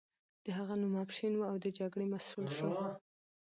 د هغه نوم افشین و او د جګړې مسؤل شو.